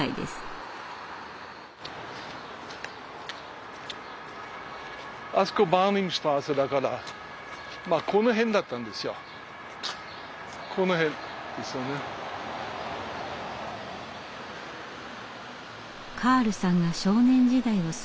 カールさんが少年時代を過ごした場所。